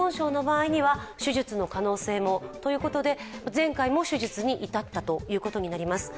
前回、手術に至ったということになります。